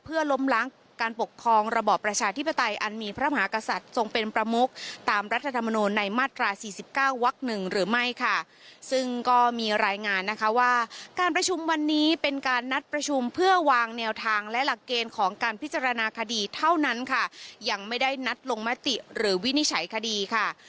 เพื่อล้มล้างการปกครองระบบประชาธิปไตยอันมีพระมหากษัตริย์ทรงเป็นประมุขตามรัฐธรรมนูลในมาตร๔๙วัก๑หรือไม่ค่ะ